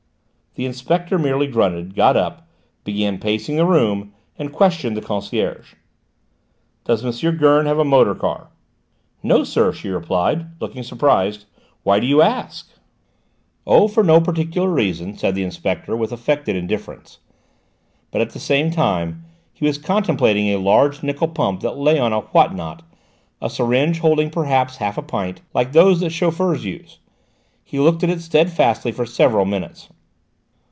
The inspector merely grunted, got up, began pacing the room, and questioned the concierge. "Did M. Gurn have a motor car?" "No, sir," she replied, looking surprised. "Why do you ask?" "Oh, for no particular reason," said the inspector with affected indifference, but at the same time he was contemplating a large nickel pump that lay on a what not, a syringe holding perhaps half a pint, like those that chauffeurs use. He looked at it steadfastly for several minutes.